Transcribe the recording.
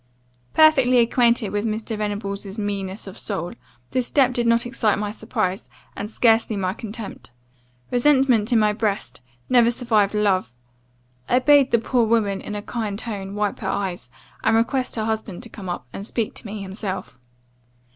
"Perfectly acquainted with Mr. Venables' meanness of soul, this step did not excite my surprise, and scarcely my contempt. Resentment in my breast, never survived love. I bade the poor woman, in a kind tone, wipe her eyes, and request her husband to come up, and speak to me himself.